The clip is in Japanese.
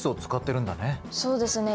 そうですね。